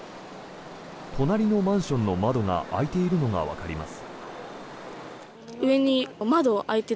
隣のマンションの窓が開いているのがわかります。